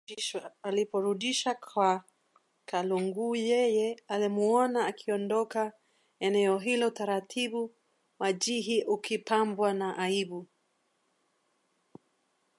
Aliporudisha kwa Kalunguyeye, alimwona akiondoka eneo hilo taratibu wajihi ukipambwa na aibu